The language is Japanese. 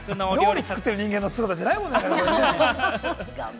料理作ってる人間の姿じゃないもんね、これね。